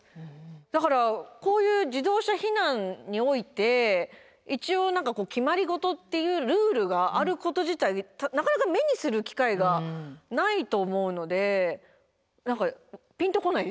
だからこういう自動車避難において一応決まり事っていうルールがあること自体なかなか目にする機会がないと思うので何かピンとこないですね。